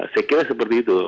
saya kira seperti itu